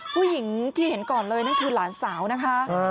ผู้หญิงที่เห็นก่อนเลยนั่นคือหลานสาวนะคะ